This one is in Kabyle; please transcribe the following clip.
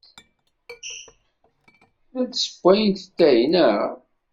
La d-tessewwayemt atay, naɣ?